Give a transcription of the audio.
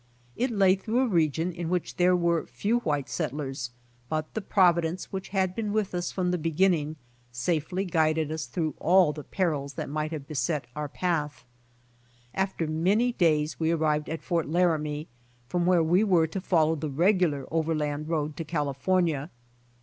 It lay through a region in which there were few white settlers but the providence which had been with us from the beginning, safely guided us through all the perils that might have beset our path. After 76 BY ox TEAM TO CALIFORNIA many days we arrived at Fort Laramie from where we were to follow the regular overland road to Cali fornia.